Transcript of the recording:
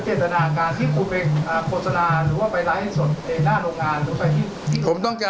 ขอให้มีเงินกันนะครับมีเงินจริงครับ